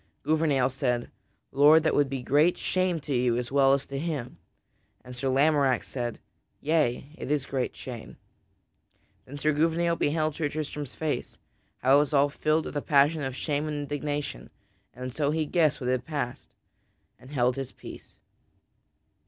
Gouvernail said, "Lord, that would be great shame to you as well as to him." And Sir Tristram said, "Yea, it is great shame." Then Gouvernail beheld Sir Tristram's face, how it was all filled with a passion of shame and indignation, and so he guessed what had passed, and held his peace.